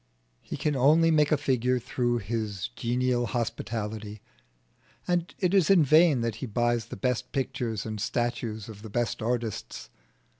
He can only make a figure through his genial hospitality. It is in vain that he buys the best pictures and statues of the best artists.